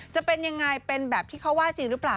จะเป็นยังไงเป็นแบบที่เขาว่าจริงหรือเปล่า